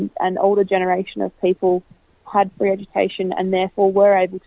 dan harga hidup mereka tidak menjadi masalah